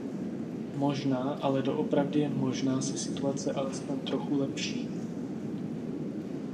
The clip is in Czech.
Možná, ale doopravdy jen možná se situace alespoň trochu lepší.